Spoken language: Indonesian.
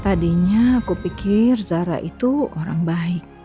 tadinya aku pikir zara itu orang baik